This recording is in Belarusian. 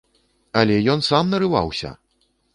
Але ён сам нарываўся!